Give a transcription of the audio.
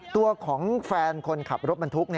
ตัวของแฟนคนขับรถบรรทุก